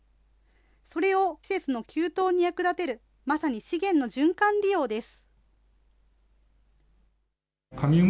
それを施設の給湯に役立てる、まさに資源の循環利用です。